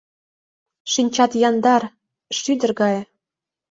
Шинчат яндар — шӱдыр гае.